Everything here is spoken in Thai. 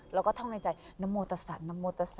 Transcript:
เราก็ท่องในใจนมตสัต